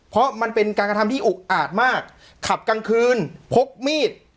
เพราะมันเป็นการกระทำที่อุกอาจมากขับกลางคืนพกมีด